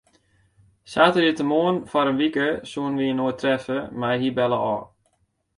Saterdeitemoarn foar in wike soene wy inoar treffe, mar hy belle ôf.